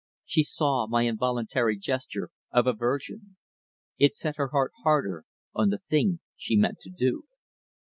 She saw my involuntary gesture of aversion. It set her heart harder on the thing she meant to do.